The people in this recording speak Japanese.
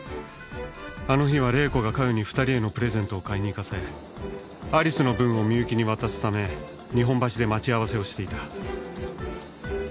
あの日は玲子が加代に２人へのプレゼントを買いに行かせアリスの分を美由紀に渡すため日本橋で待ち合わせをしていた。